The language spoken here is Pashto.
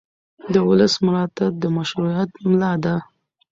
د ولس ملاتړ د مشروعیت ملا ده